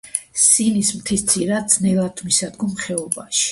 სინის მთის ძირას ძნელადმისადგომ ხეობაში.